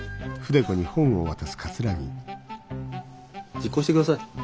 実行してください。